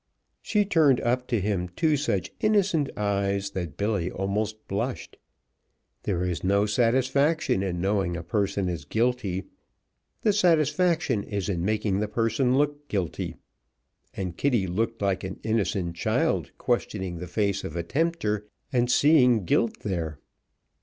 She turned up to him two such innocent eyes that Billy almost blushed. There is no satisfaction in knowing a person is guilty, the satisfaction is in making the person look guilty, and Kitty looked like an innocent child questioning the face of a tempter and seeing guilt there.